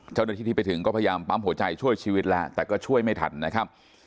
เจ้าหน้าที่ที่ไปถึงก็พยายามปั๊มหัวใจช่วยชีวิตแล้วแต่ก็ช่วยไม่ทันนะครับ